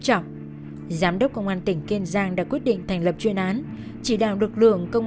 trọng giám đốc công an tỉnh kiên giang đã quyết định thành lập chuyên án chỉ đạo lực lượng công